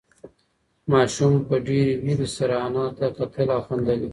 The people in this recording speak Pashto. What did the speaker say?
ماشوم په ډېرې وېرې سره انا ته کتل او خندل یې.